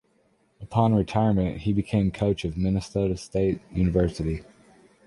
Upon retirement, he became coach of Minnesota State University.